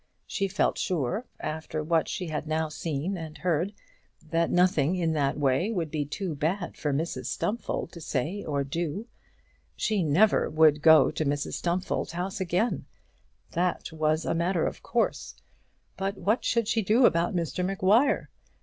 She felt sure, after what she had now seen and heard, that nothing in that way would be too bad for Mrs Stumfold to say or do. She never would go to Mrs Stumfold's house again; that was a matter of course; but what should she do about Mr Maguire?